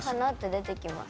出てきます？